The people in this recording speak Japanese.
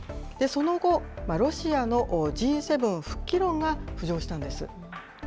その後、ロシアのＧ７復帰論が浮上したんです。